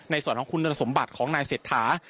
ในส่วนของคุณสมบัติของนายเศรษฐา